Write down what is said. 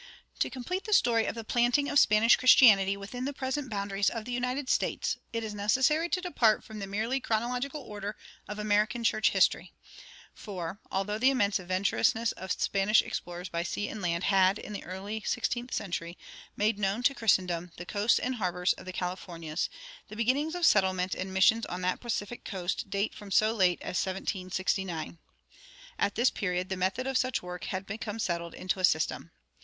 To complete the story of the planting of Spanish Christianity within the present boundaries of the United States, it is necessary to depart from the merely chronological order of American church history; for, although the immense adventurousness of Spanish explorers by sea and land had, early in the sixteenth century, made known to Christendom the coasts and harbors of the Californias, the beginnings of settlement and missions on that Pacific coast date from so late as 1769. At this period the method of such work had become settled into a system.